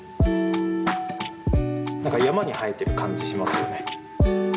なんか山に生えてる感じしますよね。